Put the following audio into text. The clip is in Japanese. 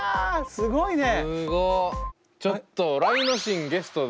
すごいね。